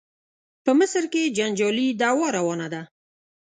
په مصر کې جنجالي دعوا روانه وه.